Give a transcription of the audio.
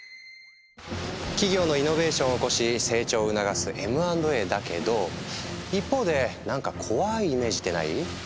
企業のイノベーションを起こし成長を促すＭ＆Ａだけど一方で何か怖いイメージってない？